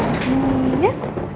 ada orang disini ya